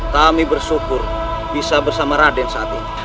kami bersyukur bisa bersama raden saat ini